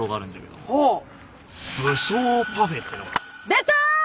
出た！